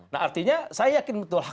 nah artinya saya yakin betul